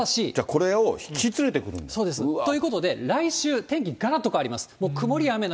これを引き連れてくるんですか？ということで、来週、天気がらっと変わります。